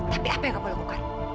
tapi apa yang kamu lakukan